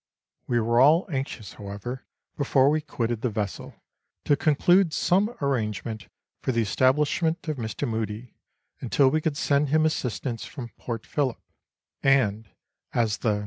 We were all anxious, however, before we quitted the vessel, to conclude some arrangement for the establishment of Mr. Mudie, until we could send him assistance from Port Phillip ; and, as the Letters from Victorian Pioneers.